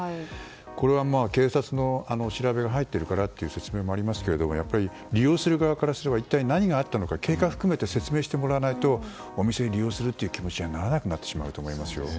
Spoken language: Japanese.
これは、警察の調べが入ったからという説明もありますがやっぱり利用する側からすれば一体何があったのか経過を含めて説明してもらわないとお店を利用するという気持ちにならなくなると思いますよ。